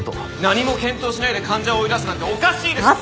何も検討しないで患者を追い出すなんておかしいですよ！